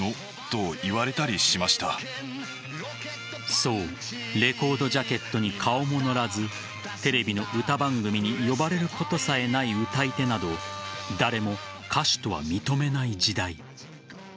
そう、レコードジャケットに顔も載らずテレビの歌番組に呼ばれることさえない歌い手など誰も歌手とは認めない時代。